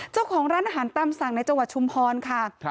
เจ้าของร้านอาหารตามสั่งในจังหวัดชุมพรค่ะ